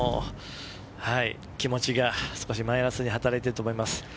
気持ちがマイナスに働いていると思います。